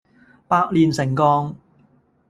百煉成鋼